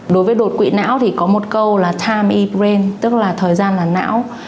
đối với đột quỵ não thì có một câu là time e brain tức là thời gian là não